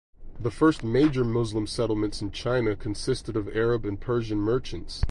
The first major Muslim settlements in China consisted of Arab and Persian merchants.